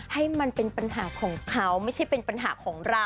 ให้มันเป็นปัญหาของเขาไม่ใช่เป็นปัญหาของเรา